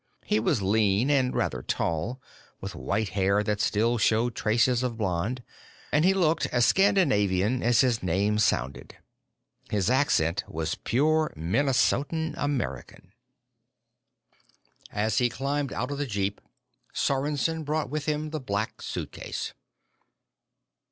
He was lean and rather tall, with white hair that still showed traces of blond, and he looked as Scandinavian as his name sounded. His accent was pure Minnesota American. As he climbed out of the jeep, Sorensen brought with him the Black Suitcase.